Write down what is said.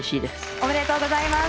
おめでとうございます。